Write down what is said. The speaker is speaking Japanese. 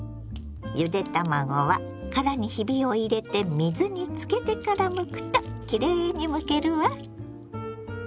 ゆで卵は殻にひびを入れて水につけてからむくときれいにむけるわ。